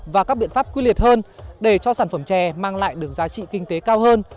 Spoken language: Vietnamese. và các biện pháp quy liệt hơn để cho sản phẩm chè mang lại được giá trị kinh tế cao hơn